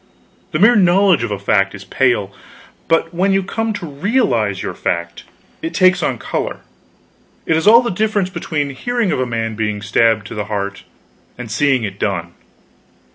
The mere knowledge of a fact is pale; but when you come to realize your fact, it takes on color. It is all the difference between hearing of a man being stabbed to the heart, and seeing it done.